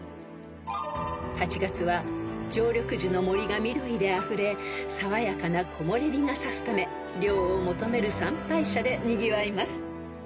［８月は常緑樹の森が緑であふれ爽やかな木漏れ日が差すため涼を求める参拝者でにぎわいます］